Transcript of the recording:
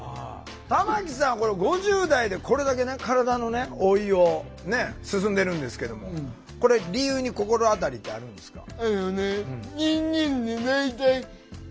玉木さんこれ５０代でこれだけね体の老いを進んでるんですけどもこれ理由に心当たりってあるんですか？